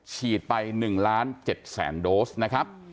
ฉีดไป๑ล้าน๗แสนโดสนะครับ